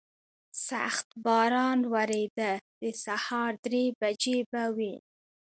سخت باران ورېده، د سهار درې بجې به وې.